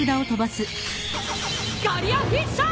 ガリアフィッシャー！